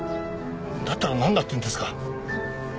だったらなんだって言うんですか？